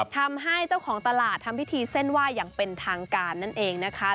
ทำให้เจ้าของตลาดทำพิธีเส้นไหว้อย่างเป็นทางการนั่นเองนะคะ